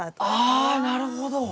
あなるほど！